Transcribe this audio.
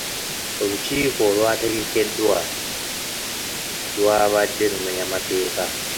Olukukiiko olwategekeddwa lwa badde lumenya mateeka.